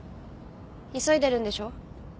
急いでるんでしょ。